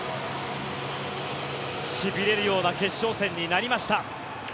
しびれるような決勝戦になりました。